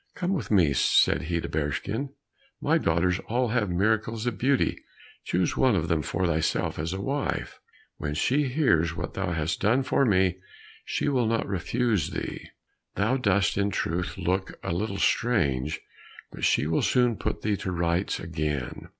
"Come with me," said he to Bearskin; "my daughters are all miracles of beauty, choose one of them for thyself as a wife. When she hears what thou hast done for me, she will not refuse thee. Thou dost in truth look a little strange, but she will soon put thee to rights again."